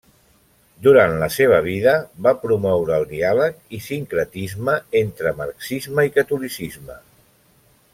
Durant la seva vida, va promoure el diàleg i sincretisme entre marxisme i catolicisme.